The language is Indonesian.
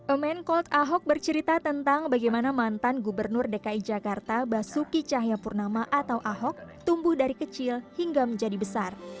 amen cold ahok bercerita tentang bagaimana mantan gubernur dki jakarta basuki cahayapurnama atau ahok tumbuh dari kecil hingga menjadi besar